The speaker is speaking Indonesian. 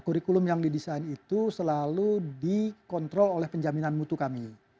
kurikulum yang didesain itu selalu dikontrol oleh penjaminan mutu kami